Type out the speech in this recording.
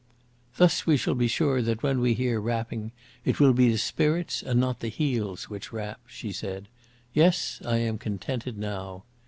"Thus we shall be sure that when we hear rapping it will be the spirits, and not the heels, which rap," she said. "Yes, I am contented now."